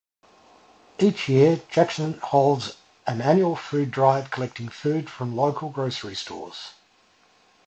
Each year, Jackson holds an annual food drive, collecting food from local grocery stores.